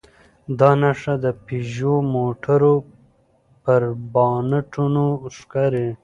دا نښه د پيژو موټرو پر بانټونو ښکاري.